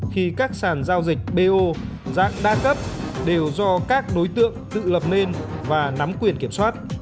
khi các sàn giao dịch bo dạng đa cấp đều do các đối tượng tự lập nên và nắm quyền kiểm soát